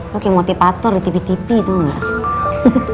lo kayak motivator di tipe tipe itu gak